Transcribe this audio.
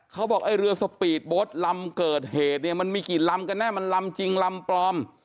เขาบอกไอ้เรือสปีดโบสต์ลำเกิดเหตุเนี่ยมันมีกี่ลำกันแน่มันลำจริงลำปลอม